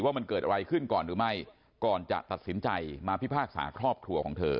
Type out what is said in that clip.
ว่ามันเกิดอะไรขึ้นก่อนหรือไม่ก่อนจะตัดสินใจมาพิพากษาครอบครัวของเธอ